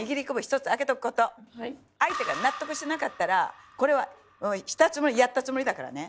ここは相手が納得してなかったらそれはしたつもりやったつもりだからね。